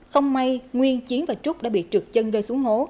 không may nguyên chiến và trúc đã bị trực chân rơi xuống hố